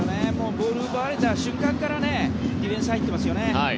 ボールを奪われた瞬間からディフェンス入ってますよね。